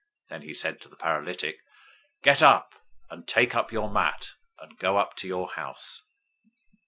(then he said to the paralytic), "Get up, and take up your mat, and go up to your house."